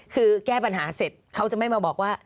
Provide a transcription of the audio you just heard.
คือแก้ปัญหาเสร็จเขาจะไม่มาบอกว่า